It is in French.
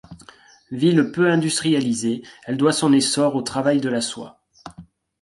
Ville peu industrialisée, elle doit son essor au travail de la soie.